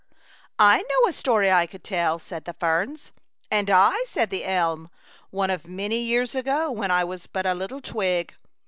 '* I know a story I could tell," said the ferns. " And I," said the elm ;" one of many years ago, when I was but a little twig."